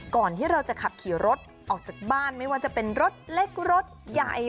ก่อนที่เราจะขับขี่รถออกจากบ้านไม่ว่าจะเป็นรถเล็กรถใหญ่